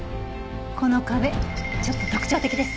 この壁ちょっと特徴的です。